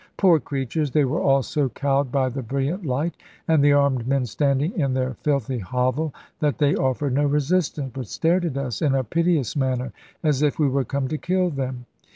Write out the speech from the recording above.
Poor creatures! they were all so cowed by the brilliant light and the armed men standing in their filthy hovel, that they offered no resistance, but stared at us in a piteous manner, as if we were come to kill them.